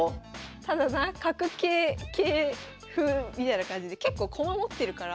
ただな角桂桂歩みたいな感じで結構駒持ってるから。